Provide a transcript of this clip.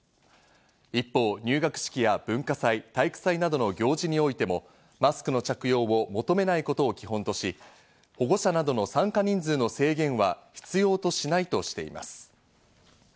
一方、入学式や文化祭、体育祭などの行事においても、マスクの着用を求めないことを基本とし、保護者などの参加人数の制限は必要としないとしています。